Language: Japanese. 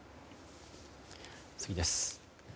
次です。